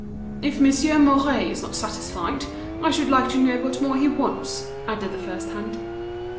"If Monsieur Mouret is not satisfied, I should like to know what more he wants," added the first hand.